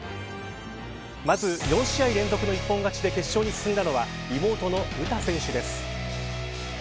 まず４試合連続の一本勝ちで決勝に進んだのは妹の詩選手です。